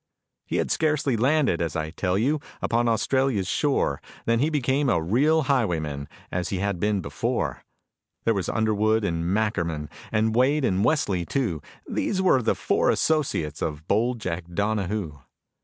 He had scarcely landed, as I tell you, Upon Australia's shore, Than he became a real highwayman, As he had been before. There was Underwood and Mackerman, And Wade and Westley too, These were the four associates Of bold Jack Donahoo.